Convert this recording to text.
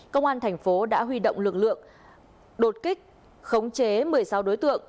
công an thành phố đã huy động lực lượng đột kích khống chế một mươi sáu đối tượng